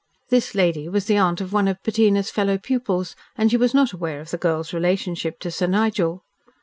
This lady was the aunt of one of Bettina's fellow pupils, and she was not aware of the girl's relationship to Sir Nigel.